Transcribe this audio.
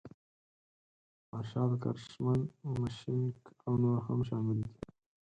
مارشال کرشمن مشینک او نور هم شامل دي.